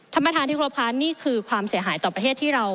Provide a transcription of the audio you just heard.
ธรรมทางที่กลพร้านนี่คือความเสียหายต่อประเทศที่เรา